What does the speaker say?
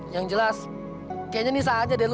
yang jelas kayaknya nisa aja deh lu